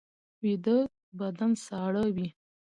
ویده بدن ساړه وي